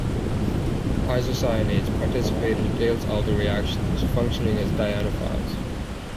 Isocyanates participate in Diels-Alder reactions, functioning as dienophiles.